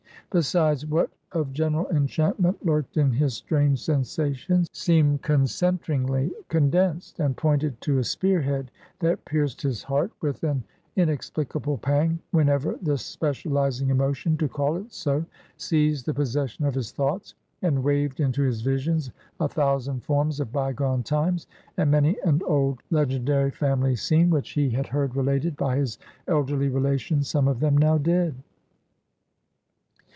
Besides, what of general enchantment lurked in his strange sensations, seemed concentringly condensed, and pointed to a spear head, that pierced his heart with an inexplicable pang, whenever the specializing emotion to call it so seized the possession of his thoughts, and waved into his visions, a thousand forms of by gone times, and many an old legendary family scene, which he had heard related by his elderly relations, some of them now dead.